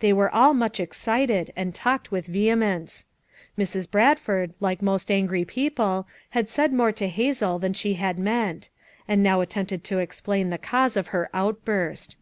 They were all much excited and talked with vehemence. Mrs. Bradford, like most angry people, had said more to Hazel than she had meant; and now attempted to explain the cause of her outburst.